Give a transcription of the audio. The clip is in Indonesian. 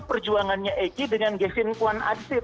perjuangannya egy dengan gevhen kwan atsit